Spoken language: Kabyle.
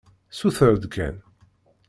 Suter-d kan.